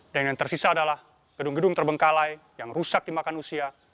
dan yang tersisa adalah gedung gedung terbengkalai yang rusak dimakan usia